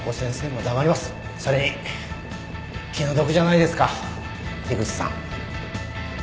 それに気の毒じゃないですか樋口さん。